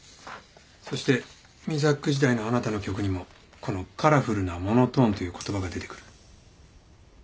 そしてＭＩＺＡＣ時代のあなたの曲にもこの「カラフルなモノトーン」という言葉が出てくる。